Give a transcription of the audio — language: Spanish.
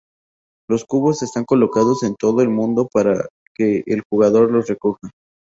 Los cubos están colocados en todo el mundo para que el jugador los recoja.